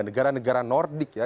negara negara nordic ya